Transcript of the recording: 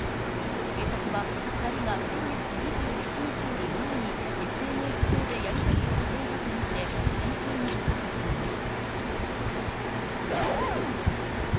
警察は２人が先月２７日より前に、ＳＮＳ上でやり取りをしていたと見て、慎重に捜査しています。